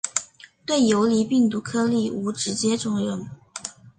对游离病毒颗粒无直接作用。